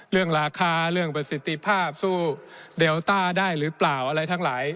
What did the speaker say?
เรื่องราคาเรื่องประสิทธิภาพสู้เดลต้าได้หรือเปล่าอะไรทั้งหลาย